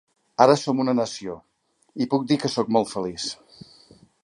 Ara som una nació... I puc dir que sóc molt feliç.